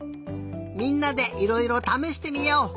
みんなでいろいろためしてみよう！